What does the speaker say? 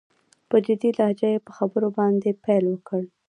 په جدي لهجه يې په خبرو باندې پيل وکړ.